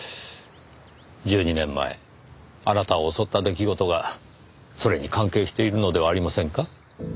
１２年前あなたを襲った出来事がそれに関係しているのではありませんか？